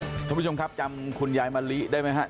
สวัสดีคุณผู้ชมครับจำคุณยายมะลิได้ไหมครับ